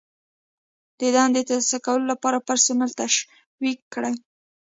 د دندې د ترسره کولو لپاره پرسونل تشویق کړئ.